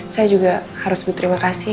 saya juga harus berterima kasih